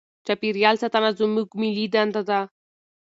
چاپیریال ساتنه زموږ ملي دنده ده.